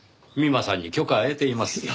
美馬さんに許可は得ています。